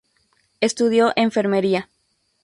Estudió enfermería.